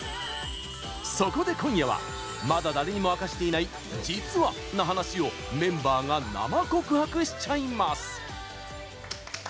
そこで、今夜はまだ誰にも明かしていない「実は」な話をメンバーが生告白しちゃいます。